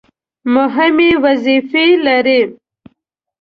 مهمې وظیفې لري.